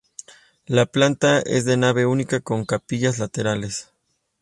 La planta es de nave única con capillas laterales.